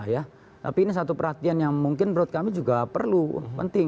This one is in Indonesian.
tapi ini satu perhatian yang mungkin menurut kami juga perlu penting